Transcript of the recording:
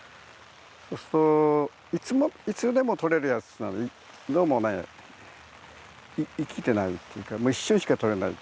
そうするといつでも撮れるやつはねどうもね生きてないっていうかもう一瞬しか撮れない。